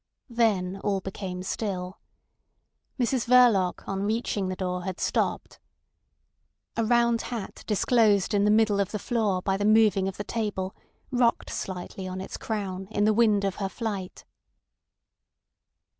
Then all became still. Mrs Verloc on reaching the door had stopped. A round hat disclosed in the middle of the floor by the moving of the table rocked slightly on its crown in the wind of her flight.